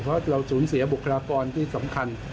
เพราะเราสูญเสียบุคลากรที่สำคัญ